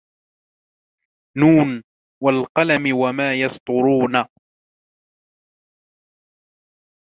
ن وَالْقَلَمِ وَمَا يَسْطُرُونَ